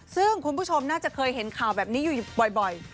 ซึ่งคุณผู้ชมน่าจะเคยเห็นข่าวแบบนี้อยู่บ่อย